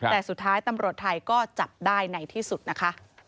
แต่สุดท้ายตำรวจไทยก็จับได้ในที่สุดนะคะ